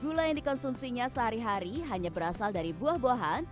gula yang dikonsumsinya sehari hari hanya berasal dari buah buahan